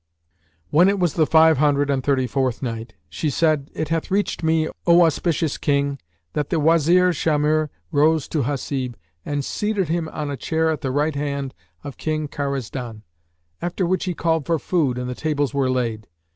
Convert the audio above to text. When it was the Five Hundred and Thirty fourth Night, She said, It hath reached me, O auspicious King, that the Wazir Shamhur rose to Hasib and seated him on a chair at the right hand of King Karazdan; after which he called for food and the tables were laid.